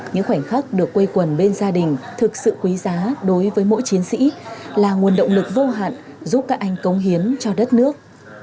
những khoảnh khắc được quây quần bên gia đình thực sự quý giá đối với mỗi chiến sĩ là nguồn động lực vô hạn giúp các anh công hiến cho đất nước